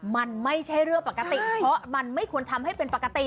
มันไม่ใช่เรื่องปกติเพราะมันไม่ควรทำให้เป็นปกติ